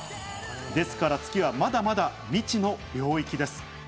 ですから月はまだまだ未知の領域です。